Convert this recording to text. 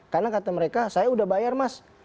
karena kata mereka saya udah bayar mas